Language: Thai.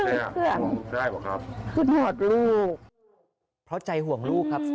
เจ็บแล้วได้หรอครับก็ถอดลูกเพราะใจห่วงลูกครับ